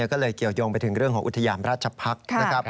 ก็เลยเกี่ยวยงไปถึงเรื่องของอุทยามพระเจ้า